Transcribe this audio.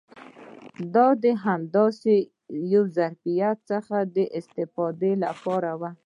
دا د همداسې یو ظرفیت څخه د استفادې لپاره و.